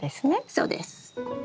そうです。